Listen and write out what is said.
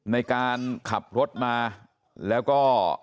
ในการขับรถมาแล้วก็